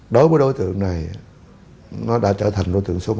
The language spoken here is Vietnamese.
đối với đối tượng này nó đã trở thành đối tượng số